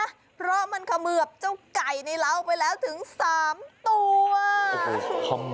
เพราะมันเขมือบเจ้าไก่ในเราไปแล้วถึง๓ตัว